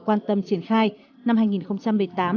quan tâm triển khai năm hai nghìn một mươi tám